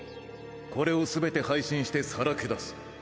これをすべて配信してさらけ出す。